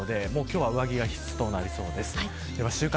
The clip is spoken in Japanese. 今日は上着が必須となりそうです。